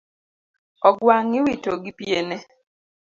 Ogwangiwito gi piene